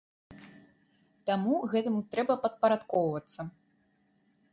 Таму гэтаму трэба падпарадкоўвацца.